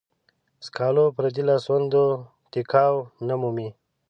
سکالو پردې لاسوندو ټيکاو نه مومي.